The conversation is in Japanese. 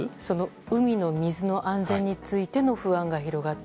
海の水の安全についての不安が広がった。